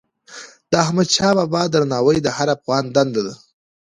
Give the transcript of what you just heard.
د احمدشاه بابا درناوی د هر افغان دنده ده.